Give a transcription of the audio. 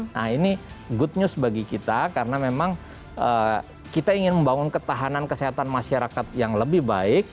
nah ini good news bagi kita karena memang kita ingin membangun ketahanan kesehatan masyarakat yang lebih baik